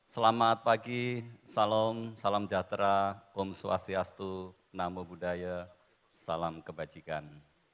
selamat pagi salam salam jatera om swastiastu nama budaya salam kebajikan